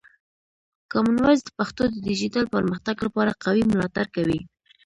کامن وایس د پښتو د ډیجیټل پرمختګ لپاره قوي ملاتړ کوي.